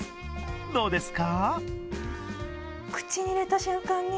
どうですか？